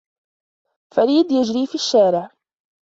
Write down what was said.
فَرِيدٌ يَجْرِي فِي الشَّارِعِ.